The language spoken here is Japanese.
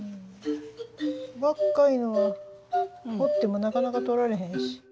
若いのは掘ってもなかなか取られへんし。